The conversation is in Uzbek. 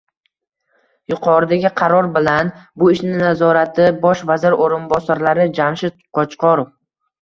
Yuqoridagi qaror bilan bu ishni nazorati Bosh vazir o‘rinbosarlari Jamshid Qo‘chqorov